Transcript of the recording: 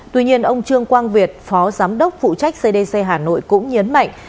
tuy nhiên ông trương quang việt phó giám đốc phụ trách cdc hà nội cũng nhấn mạnh